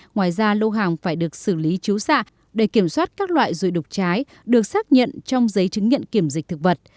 ngoài ra lô hàng phải được xử lý chú xạ để kiểm soát các loại dụi đục trái được xác nhận trong giấy chứng nhận kiểm dịch thực vật